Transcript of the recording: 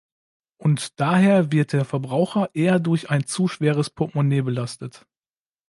Und daher wird der Verbraucher eher durch ein zu schweres Portemonnaie belastet.